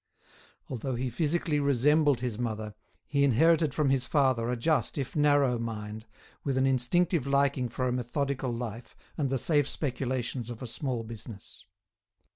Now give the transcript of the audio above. Although he physically resembled his mother, he inherited from his father a just if narrow mind, with an instinctive liking for a methodical life and the safe speculations of a small business.